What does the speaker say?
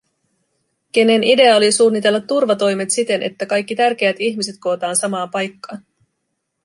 Kenen idea oli suunnitella turvatoimet siten, että kaikki tärkeät ihmiset kootaan samaan paikkaan?